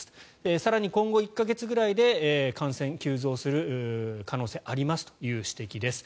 更に今後１か月ぐらいで感染が急増する可能性もありますという指摘です。